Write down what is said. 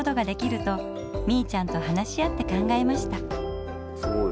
とみいちゃんと話し合って考えました。